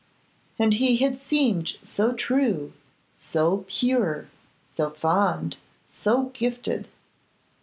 And he had seemed so true, so pure, so fond, so gifted!